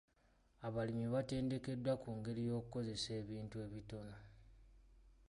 Abalimi batendekeddwa ku ngeri y'okukozesa ebintu ebitono.